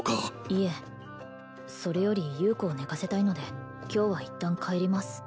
いえそれより優子を寝かせたいので今日は一旦帰ります